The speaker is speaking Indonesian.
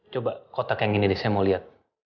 coba kotak yang ini deh saya mau lihat